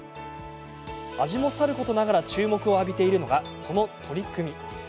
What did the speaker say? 味もさることながら注目を集めているのがその取り組み。